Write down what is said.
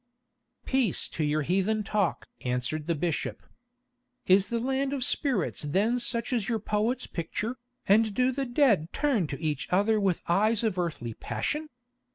"Peace to your heathen talk!" answered the bishop. "Is the land of spirits then such as your poets picture, and do the dead turn to each other with eyes of earthly passion?